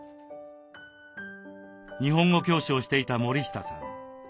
日本語教師をしていた森下さん。